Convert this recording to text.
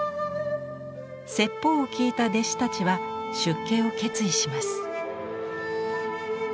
説法を聞いた弟子たちは出家を決意します。